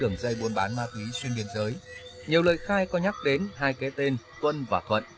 đường dây buôn bán ma túy xuyên biên giới nhiều lời khai có nhắc đến hai cái tên tuân và thuận